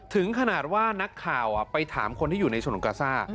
ถึงขนาดว่านักข่าวไปถามคนที่อยู่ในฉนวนกาซ่า